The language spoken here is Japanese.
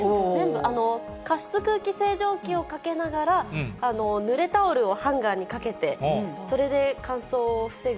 加湿空気清浄機をかけながらぬれタオルをハンガーにかけて、それで乾燥を防ぐ。